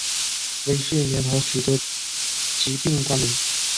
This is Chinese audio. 微睡眠和许多疾病关联。